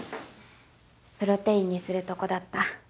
プロテインにするとこだった。